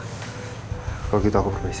kalau gitu aku permisi